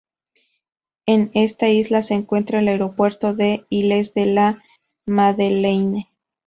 En esta isla se encuentra el aeropuerto de Îles-de-la-Madeleine.